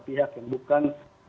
pihak yang bukan